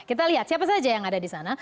kita lihat siapa saja yang ada di sana